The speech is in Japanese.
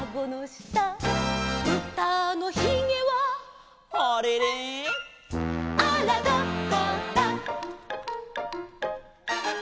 「ぶたのひげは」「あれれ」「あらどこだ」